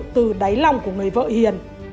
từ đáy lòng của người vợ hiền